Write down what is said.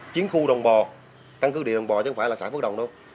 chiến khu đồng bò căn cứ địa đồng bò chứ không phải là xã phước đồng luôn